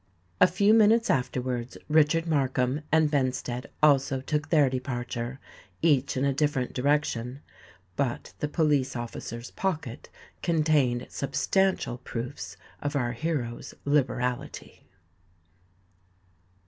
A few minutes afterwards Richard Markham and Benstead also took their departure, each in a different direction; but the police officer's pocket contained substantial proofs of our hero's liberality.